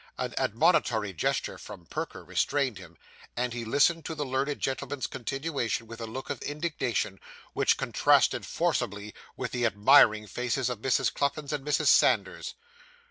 An admonitory gesture from Perker restrained him, and he listened to the learned gentleman's continuation with a look of indignation, which contrasted forcibly with the admiring faces of Mrs. Cluppins and Mrs. Sanders.